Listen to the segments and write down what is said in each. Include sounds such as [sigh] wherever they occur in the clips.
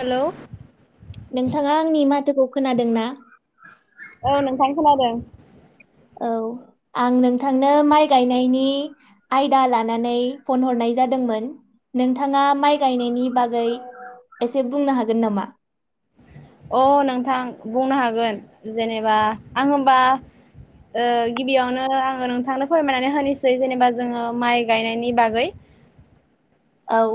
Hello नोंथाङा आंनि माथोखौ खोनादों ना? औ नोंथां खोनादों। औ आं नोंथांनो माइ गायनायनि आयदा लानानै फन हरनाय जादोंमोन नोंथाङा माइ गायनायनि बागै एसे बुंनो हागोन नामा? अ नोंथां बुंनो हागोन जेनेबा आं हमबा ओ गिबियावनो आङो नोंथांनो फोरमायनानै होनोसै जेनेबा जोङो माइ गायनायनि बागै। औ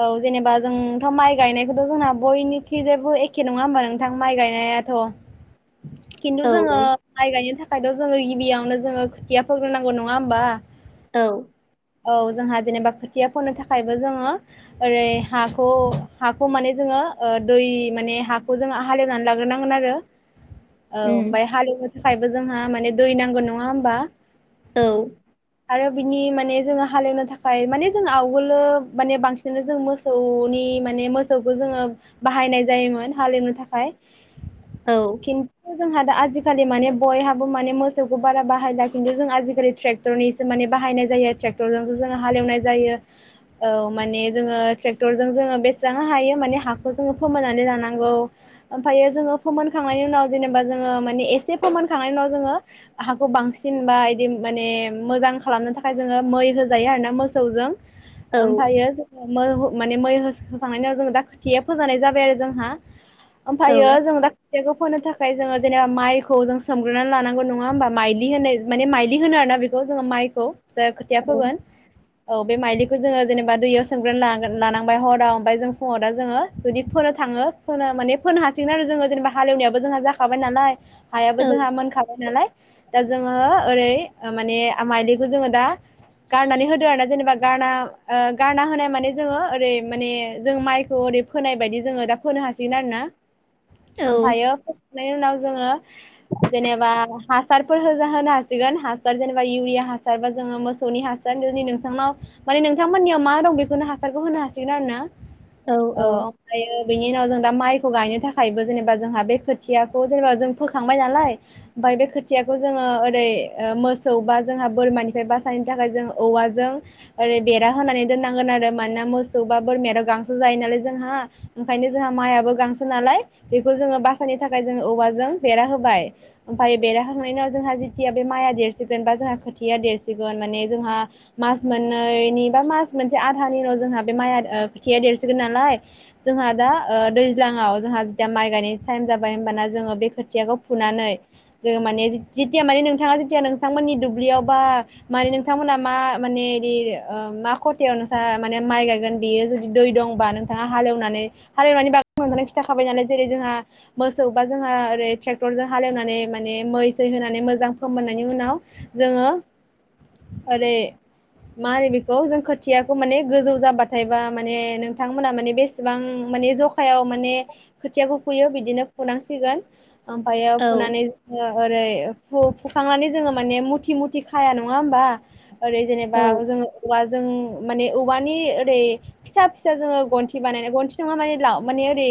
औ जेनेबा जोंथ माइ गायनायखौथ' जोंना बयनिख्रुइ जेबो एखे नङा होमबा नोंथां माइ गायनायाथ' औ खिन्थु जोङो माइ गायनो थाख खायथ' जोङो गिबियावनो जोङो खोथियाफोरग्रोनांगौ नङा होमबा औ औ जोंहा जेनेबा खोथिया फोननो थाखायबो जोङो ओरै हाखौ हाखौ माने जोङो ओ दै माने हाखौ जोङो हालेवनानै लाग्रोनांगोन आरो औ उम ओमफाय हालेवहो [unintelligible] खायबो जोंहा माने दै नांगौ नङा होमबा औ आरो बिनि माने जोङो हालेवनो थाखाय माने जों आवगोलो माने बांस सिनो जों मोसौनि माने मोसौखौ जोङो बाहायनाय जायोमोन हालेवनो थाखाय औ खिन्थ जोंहा दा आजिखालि माने बयहाबो माने मोसौखौ बारा बाहायला खिन्थु जों आजिखालि ट्रेक्टरनिसो माने बाहायनाय जायो थेक्टरजोंसो जों हालेवनाय जायो औ माने जोङो थेक्टरजों जोङो बेसां हायो माने हाखौ जोङो फोमोननानै लानांगौ ओमफायो जोङो फोमोनखांनायनि उनाव जेनेबा जोङो माने एसे फोमोनखांनायनि उनाव जोङो हाखौ बांसिन बा इदि माने मोजां खालामनो थाखाय जोङो मै होजायो आरोना मोसौजों औ ओमफायो जो मैहु माने मै होस होखांनायनि उनाव जों दा खोथिया फोजानाय जाबाय आरो जोंहा औ ओमफायो जों दा खोथियाखौ फोनो थाखाय जोङो जेनेबा माइखौ जों सोमग्रोनानै लानांगौ नङा होमबा माइलि होनाय माने माइलि होनो आरोना बेखौ जोङो माइखौ दा खोथिया औ फोगोन औ बे माइलिखौ जोङो जेनेबा दैुयावस सोमग्रोन [unintelligible] लानांबाय हराव ओमफाय जों फुङाव दा जोङो जुदि फोनो थाङो फोनो माने फोनो हासिगोन आरो जोङो जेनेबा हालेवनायावाबो जोंहा जाखाबाय नालाय औ हायाबो जोंहा मोनखाबाय नालाय दा जोङो ओरै ओ माने माइलिखौ जोङो दा गारनानै होदो आरो ना जेनेबा गारना ओ गारना होनाय माने जोङो ओरै माने जों माइखौ ओरै फोनाय बायदि जोङो दा फोनो हासिगोन आरोना ओमफायो फो फुनायनि उनाव जोङो जेनेबा हा सारफोर होजा होनो‌ हासिगोन हासार जेनेबा इउरिया हासार बा जोङो मोसौनि हासार जुदि नोंथांनाव माने नोंथांमोननियाव मा दं बे [unintelligible] खौनो हासारखौ होनो हासिगोन आरोना ओ औ ओमफायो बेनि उनाव जों दा माइखौ गायनो थाखायबो जेनेबा जोंहा बे खोथियाखौ जेनेबा जों फोखांबाय नालाय ओमफाय बे खोथियाखौ जोङो ओरै ओ मोसौ बा जोंहा बोरमानिफ्राय बासानायनो थाखाय जों औवाजों ओरै बेरा होनानै दोननां नांगोन मानोना मोसौ बा बोरमाथ गांसो जायो नालाय जोंहा ओंखायनो जोंहा माइआबो गांसो नालाय बेखौ जोङो बासायनो थाखाय जोङो औवाजों बेरा होबाय ओमफाय बेरा होखांनायनि उनाव जोंहा जेथिया बे माइआ देरसिगोन बा जोंहा खोथिया देरसिगोन माने जों मास मोननैनि बा मास मोनसे आधानि उनाव जोंहा बे माइयाद ओ खोथिया देरसिगोन नालाय जोंहा दा ओ दैज्लांङाव जोंहा जिथिया माइ गायनाय थाइम जाबाय होमबाना जोङो बे खोथियाखौ फुनानै जोङो माने जित जितिया माने नोंथाङा जेतिया नोंथांमोननि दुब्लियाव बा माने नोंथांमोना मा माने दि ओ मा‌ खद थियाव नोंसा माने माइ गायगोन बियो जुदि दै दंबा नोंथाङा हालेवनानै हालेवनानै बागै नोंथांनो खिन्थाखाबाय नालाय जेरै जोंहा मोसौबा जोंहा ओरै थेक्टर जों हालेवनानै माने मै सै होनानै मोजां फोमोननायनि उनाव जोङो ओरै मा होनो बेखौ जों खोथ थियाखौ माने गोजौ जाबाथायबा माने नोंथांमोना माने बेसेबां माने जखायाव माने खोथियाबो फुयो बिदिनो फुनांसिगोन ओमफायो औ फुनानै जोंङो ओरै फु-फुखांनानै जोङो माने मुथि-मुथि खाया नङा होमबा। ओरै जेनेबा जोङो औवाजों माने औवानि ओरै फिसा-फिसा जोङो गन्थि बानायनाय गन्थि नंङा माने लाव माने ओरै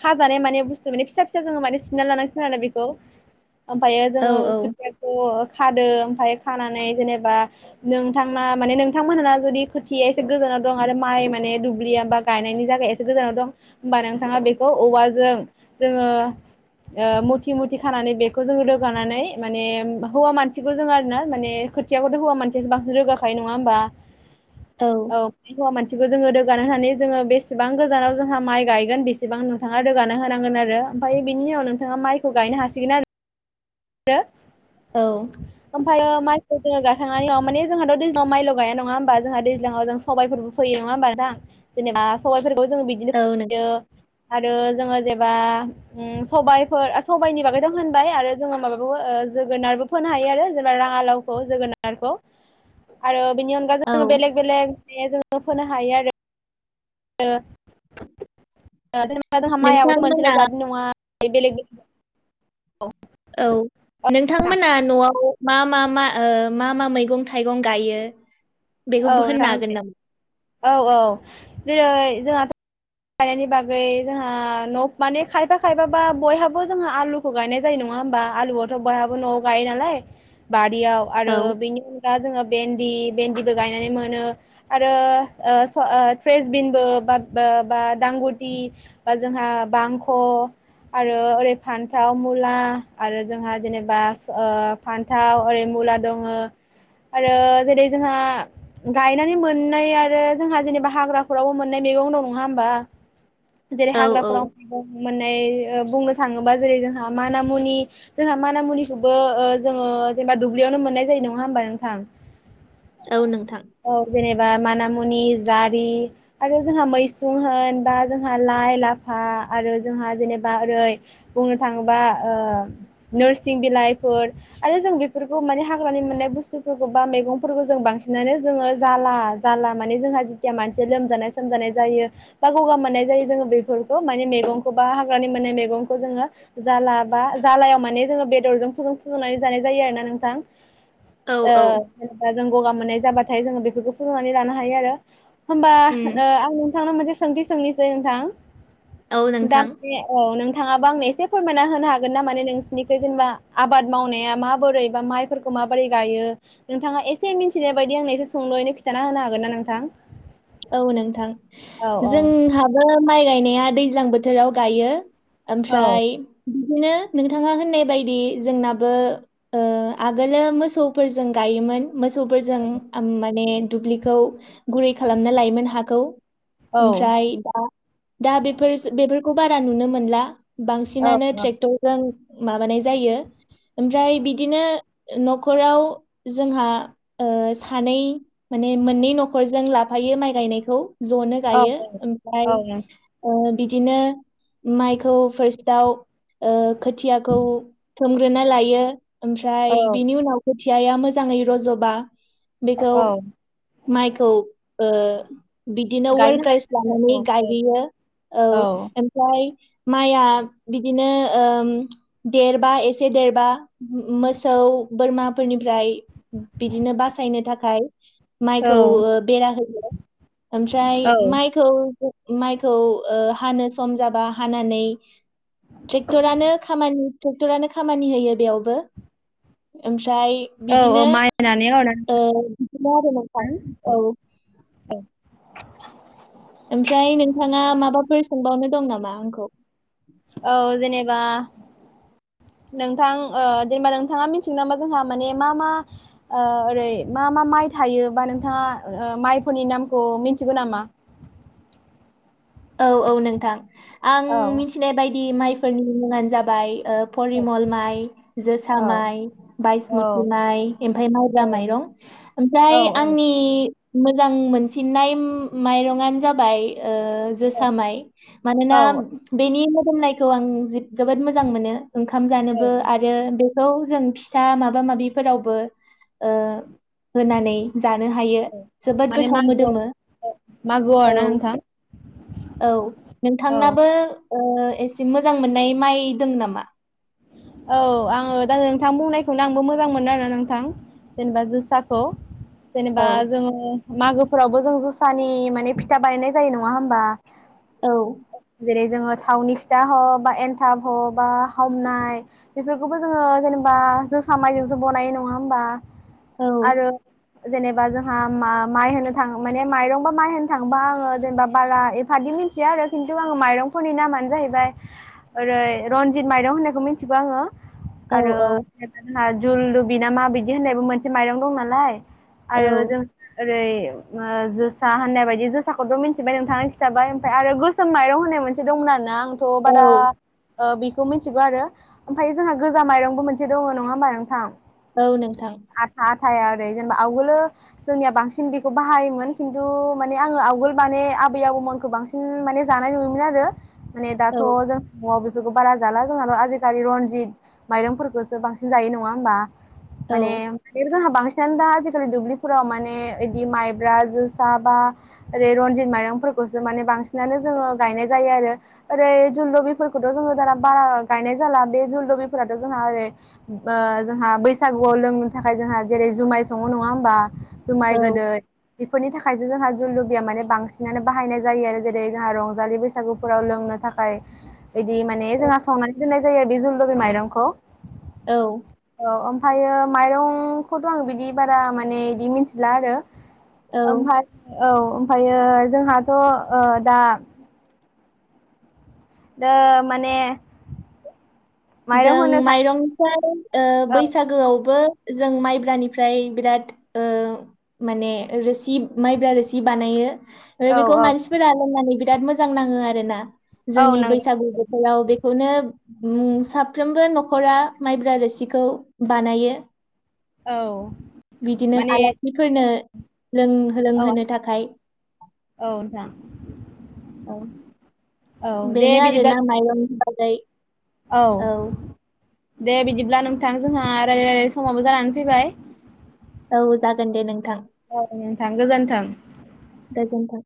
खाजानाय माने बुस्थु माने फिसा-फिसा जों माने सिनना लानांसिगोन आरो बेखौ। ओमफायो औ जोङो खोथियाखौ खादों। फाय खानानै जेनेबा नोंथाना माने नोंथांमोनाना जुदि खोथिया एसे गोजानाव दं आरो माइ माने दुब्लियाबा गायनायनि जाय एसे गोजानाव दं होमबा नोंथाङा बेखौ औवाजों जोङो मुथि मुथि खानानै बेखौ जोङ रोगानानै माने हौवा मानसिखौ जों आरोना माने खोथियाखौथ' हौवा मानसियासो बांसिन रोगाखायो नङा होमबा? औ हौवा मानसि। [unintelligible] जोङो रोगानो होनानै जोङो बेसेबां गोजानाव जोंहा माइ गायगोन बेसेबां नोंथाङा रोगाना होनांगोन आरो ओमफ्राय बिनि उनाव नोंथाङा माइखौ गायनो हासिगोन आरो। औ [unintelligible] ओमफायो माइ गाखांनानै माने जोंहाथ' दैज्लांव मायल' गाया नङा होमबा जोंहा दैज्लांआव जों सबायफोरबो फैयो नङा होमबा नोंथां जेनेबा सबाइफोर जों बिदिनो नों फोयो आरो जो जोङो जेबा ओ सबायफोर सबायाइनि बागैथ होनबाय आरो। जोङो माबाबो जोगोनारबो फोनो हायो आरो जेनबा राङालावखौ जोगोनारखौ आरो बेनि अनगा औ जोंङो बेलेग बेलेग [unintelligible] फोनो हायो आरो [inaudible] ओ जेनोबा जोंहा मायाबोथ' मोनसेल' नोंथांमोना जादनि नङा बेलेग बेेलेग औ। औ नोंथां नोंथांमोना न'आव। मा मा मा ओ मा मा मैगं थाइगं गायो? बेखौबो होननो हागोन नामा? औ-औ जेरै रै जोंहाथ [unintelligible] बागै जोंहा खायफा खायफाबा बयहाबो जोंहा आलुखौ गायनाय जायो नङा होनबा आलुआथ' बयहाबो न'आव गायो नालाय बारियाव औ आरो बेनि दा जोङो भेन्दि भेन्दिबो गायनानै मोनो आरो ओ स ओ ट्रेसबिनबो बाद बा-बा दांगांगुदि बा जोंहा बांख' आरो ओरै फान्थाव मुला आरो जोंहा जेनेबा फान्थाव ओरै मुला दङ आरो जेरै जोंहा गायनानै मोननाया आरो जोंहा जेनेबा हाग्राफोरावबो मोननाय मैगं दं नङा होमबा। जेरै औ औ हाग्राफोराव मैगं मोनो। मोननाय ओ बुंनो थाङोबा जेरै जोंहा मानामुनि जोंहा मानामुनिखौबो ओ जोङो जेनेबा दुब्लियावनो मोननाय जायो नङा होमबा नोंथां? औ नोंथां औ जेनेबा माना मुनि जारि आरो जोंहा मैसुं होन लाइ ला आरो जोंहा जेनेबा ओरै बुंनो थाङोबा ओ नोरसिं बिलाइफोर आरो जोङो बेफोरखौ माने हाग्रानि मोननाय बुसथुफोरखौ बा मैगंफोरखौ बांसिनानो जाला-जाला। माने जोंहा जेथिया मानसि लोमजानाय सोमजानाय जायो बा गगा मोननाय जायो जोङो बेफोरखौ माने मेगंखौ बा हाग्रानि मोननाय मेगंखौ जोङो जाला बा जालायाव माने जोङो बेदरजों फुदुं फुदुंनानै जानाय जायो आरो ना नोंथां। औ ओ औ जेनेबा जों गगा मोननाय जाबा नाय जों बेफोरखौ फुदुंनानै लानो हायो आरो। होमबा उम ओ आं नोंथांनाव मोनसे सोंथि सोंनिसै नोंथां औ दा नोंथां बे औ नों थाङाबा आंनो एसे फोरमायना होनो हागोन ना माने नोंसोरनिखौ जेनेबा आबाद मावनाया माबोरै बा माइफोरखौ माबोरै गायो नोंथाङा एसे मिथिनाय बायदि आंनो एसे सोंलुयैनो खिन्थाना होनो हागोना? हागोनना नोंथां औ नोंथां औ औ जोंहाबो माइ गाय नाया दैज्लां बोथोराव गायो। औ ओमफ्राय बिदिनो नोंथांङा होननाय बायदि जोंनाबो ओ आगोलो मोसौफोरजों गायोमोन। मोसौफोरजों आम माने दुब्लिखौ गुरै खालामना लायोमोन हाखौ। औ ओमफ्राय दा दा बेफोर बेफोर खौ बारा नुनो मोनला। औ बांसिनानो ट्रेक्टरजों माबानाय जायो ओमफ्राय बिदिनो न'खराव जोंहा ओ खानै मान मोननै न'खरजों लाब फायो माइ गायनायखौ जनो गायो ओमफ्राय औ औ ओ बिदिनो माइखौ फार्स्ट दाउ ओ खोथियाखौ सोमग्रोना लायो। ओमफ्राय औ बिनि उनाव खोथ खोथियाया मोजाङै रज'बा। बेखौ औ माइखौ ओ बिदिनो गायनो वारकार्स हायो लानानै औ गायहैयो औ ओमफ्राय माइआ बिदिनो ओम देरबा एसे देरबा मो मोसौ बोरमाफोरनिफ्राय बिदिनो बासायनो थाखाय। माइखौ औ ओ बेरा हौयो ओमफ्राय औ माइखौ माइखौ ओ हानो सम जाबा हानानै ट्रेक्टरानो खामानि ट्रेक्टरानो खामानि होयो बेयावबो ओम ओमफ्राय औ बिदिनो औ माइ होनानै औ ओ बिदिनो आरो नोंथां औ औ। ओमफ्राय नोंथाङा माबाफोर सोंबावनो दं नामा आंखौ? औ जेनेबा नोंथां ओ जेनेबा नोंथाङा मिथिगोन नामा? जोंहा माने मा मा ओ ओरै मा मा माइ थायो बा नोंथाङा ओ माइफोरनि नामखौ मिथिगौ नामा? औ औ नोंथां। आं औ मिथिनाय बायदि दि माइफोरनि मुङानो जाबाय ओ औ परिमल माइ, जोसा औ माइ, बायसमुथि औ माइ, ओमफ्राय माइब्रा माइरं औ ओमफ्राय आंनि मोजां मोनसिननाय माइरं आनो जाबाय ओ औ जोसा माइ मानोना बेनि मो दुमनायखौ आं जो-जोबोद मोजां मोनो। ओंखाम जानोबो औ आरो बेफ खौ जों फिथा माबा माबिफोरावबो ओ होनानै जानो हायो। जोबोद माने गोथाव मागो मोदोमो मागोआव औ। ना नोंथां औ औ नोंथांनाबो अ एसे मोजां मोननाय माइ दों नामा? औ आङो दा नोंथां बुंनायखौनो आंबो मोजां मोनो आरो नोंथां जेनेबा जोसाखौ। औ जेनेबा जोङो मागोफोरावबो जों जुसानि माने फिथा बानायनाय जायो नङा होनबा? औ। जेरै जोङो थावनि फिथा ह बा एनथाब ह बा हमनाय बेफोरखौबो जोङो जेनेबा जोसा माइजोंसो बनायो नङा होमबा? औ आरो जेनेबा जोंहा मा-माइ होनो थां माने माइरं बा माइ होनो थांबा आङो जेनेबा बारा एफादि मिथिया आरो खिन्थु आङो माइरंफोरनि नामानो जाहैबाय ओरै रनजित माइरं होननायखौ मिथि थिगौ आङो। औ आरो औ [unintelligible] नाझुलदबि ना माबायदि होननायबो मोनसे माइरं दं नालाय औ आरो जों रै ओ जोसा होननाय बायदि जोसाखौथ' मिथिबाय नोंथाङा खिथाबाय। ओमफाय आरो गोसोम माइरं होननाय मोनसे दंमोन आरोना आं थ' बारा औ ओ बेखौ मिनथिगौ आरो ओमफाय जोंहा गोजा माइरंबो मोनसे दङ' नङा होमबा नोंथां? औ नोंथां थाया आरो जेनेबा आवगोलो जोंनिया बांसिन बेखौ बाहायोमोन खिन्थु माने आङो आवगोल माने आबै आबौमोनखौ बांसिन माने जानाय नुयोमोन आरो माने दाथ' औ जों नवाव बेफो बेफोरखौ बारा जाला जोंहाल' आजि खालि रनजित माइरंफोरखौसो बांसिन जायो नङा होनबा औ माने बेबो जोंहा बांसि बांसिनानो दा आजिखालि दुब्लिफोराव माने बिदि माइब्रा जोसा बा ओरै रनजित माइरंफोरखौसो माने बांसिनानो जोङो गायनाय जायो आरो ओरै जलबिफोरखौथ' जोङो दा बारा गायनाय जा जाला बे जुलदगिफोराथ' जोंहा ओरै जोंहा बैसागुआव लोंनो थाखाय जोंहा जेरै जुमाय सङो नङा होमबा जुमाय औ गोदै बेफोरनि थाखायसो जोंहा [unintelligible] माने बांसिनानो बाहायनाय जायो आरो जेरै जोंहा रंजालि बैसागुफोराव लोंनो थाखाय बिदि माने जोंहा संनानै बेखायनो जोङो जुलदरबि माइरंखौ औ। औ ओमफायायो माइरंखौथ' आङो बिदि बारा माने इदि मिनथिला आरो औ ओमफाय औ ओमफायो जोंहाथ' ओ दा दा माने माइरं होनो जों थां माइरंखौ ओ औ बैसागोआवबो जों माइब्रानिफ्राय बिराद ओ माने रोसि माइब्रा रोसि बानायो। आरो औ बेखौ औ मानसिफोरा लोंनानै बिराद मोजां नाङो आरोना औ जोंनि नंगौ बैसागु बोथोराव बे [unintelligible] साफ्रोमबो न'खरा माइब्रा रोसिखौ बानायो। औ। बिदिनो माने आलासिफोरनो औ लों-लोंहोनो औ थाखाय नोंथां [inaudible] औ औ दे बेनो बिदिब्ला आरोना माइरं [unintelligible] औ दे बिदिब्ला नों थां जोंहा रायलाय रायलाय समाबो जानानै फैबाय। औ जागोन दे नोंथां औ नोंथां गोजोन्थों। गोजोनथों।